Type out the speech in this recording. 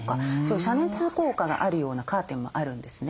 遮熱効果があるようなカーテンもあるんですね。